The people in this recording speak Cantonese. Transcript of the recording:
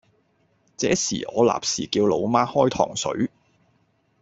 這時我立時叫老媽開糖水